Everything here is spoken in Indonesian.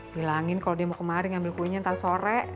bilangin kalau dia mau kemari ngambil kuyenya nanti sore